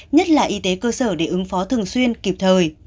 nhất là y tế cơ sở để ứng phó thường xuyên kịp thời